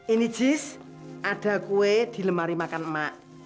ini jis ada kue di lemari makan emak